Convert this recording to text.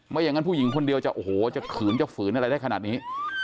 อย่างนั้นผู้หญิงคนเดียวจะโอ้โหจะขืนจะฝืนอะไรได้ขนาดนี้